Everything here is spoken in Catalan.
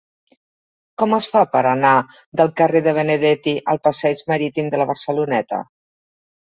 Com es fa per anar del carrer de Benedetti al passeig Marítim de la Barceloneta?